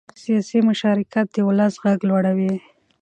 سیاسي مشارکت د ولس غږ لوړوي